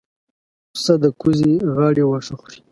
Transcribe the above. پسه د کوزې غاړې واښه خوري.